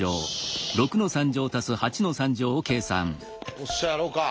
よっしゃやろうか。